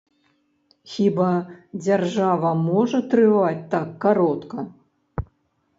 Хіба дзяржава можа трываць так каротка?